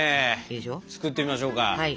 作ってみましょうか。